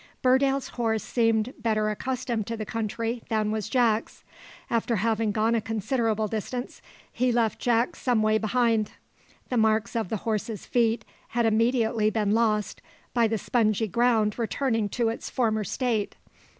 Burdale's horse seemed better accustomed to the country than was Jack's. After having gone a considerable distance, he left Jack some way behind. The marks of the horse's feet had immediately been lost, by the spongy ground returning to its former state.